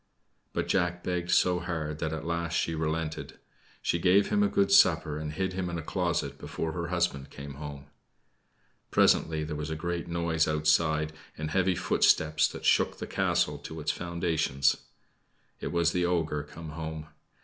But Jack begged so hard that at last she relented. She gave him a good supper and hid him in a closet before her husband came home. Presently there was a great noise outside and heavy footsteps that shook the castle to its foundations. It was the ogre come home.